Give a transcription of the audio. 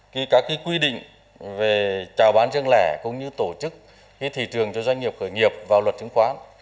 những quy định về trả bán riêng lẻ cũng như tổ chức thị trường cho doanh nghiệp khởi nghiệp vào luật chứng khoán